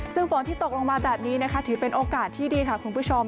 ซึ่งฝนที่ตกลงมาแบบนี้นะคะถือเป็นโอกาสที่ดีค่ะคุณผู้ชม